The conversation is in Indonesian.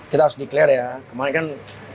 kita harus declare ya kemarin kan